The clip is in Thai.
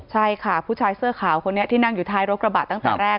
ใช่ค่ะผู้ชายเสื้อขาวคนนี้ที่นั่งอยู่ท้ายรถกระบะตั้งแต่แรก